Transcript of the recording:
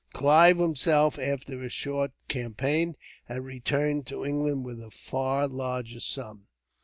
Clive himself, after his short campaign, had returned to England with a far larger sum.